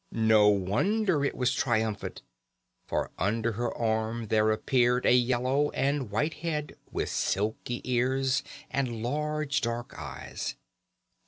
No wonder it was triumphant, for under her arm there appeared a yellow and white head, with silky ears and large dark eyes.